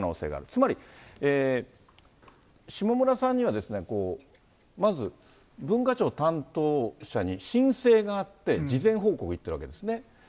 つまり、下村さんにはまず文化庁担当者に申請があって、事前報告いってるわけですね。